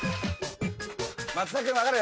松田君分かる？